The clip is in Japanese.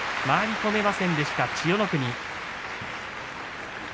回り込めませんでした千代の国。